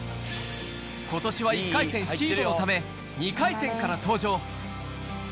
ことしは１回戦シードのため、２回戦から登場。